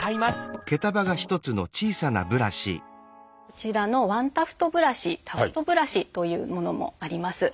こちらのワンタフトブラシタフトブラシというものもあります。